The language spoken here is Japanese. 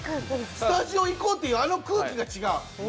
スタジオ行こうっていうあの空気が違う。